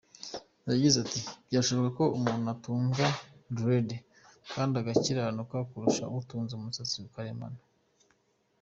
Yagize ati “Byashoboka ko umuntu atunga dread kandi agakiranuka kurusha utunze umusatsi karemano.